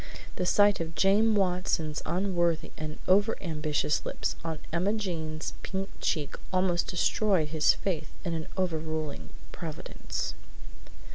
The sight of James Watson's unworthy and over ambitious lips on Emma Jane's pink cheek almost destroyed his faith in an overruling Providence.